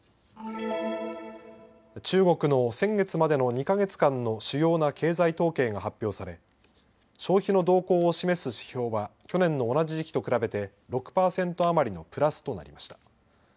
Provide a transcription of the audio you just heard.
中国の先月までの２か月間の主要な経済統計が発表され消費の動向を示す指標は去年の同じ時期と比べて６％余りのプラスとなりました。